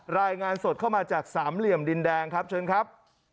รายงานสดเข้ามาจากสามเหลี่ยมดินแดงครับเชิญครับ